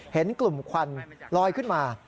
เห็นกลุ่มควันลอยขึ้นมา